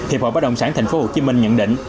hiệp hội bá đồng sản tp hcm nhận định